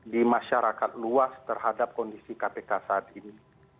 di masyarakat luas terhadap kondisi kpk saat ini